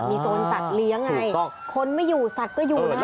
มีโซนสัตว์เลี้ยงไงคนไม่อยู่สัตว์ก็อยู่นะ